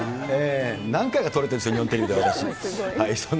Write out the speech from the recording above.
何回か取れてるんですよ、日本テレビでは、私。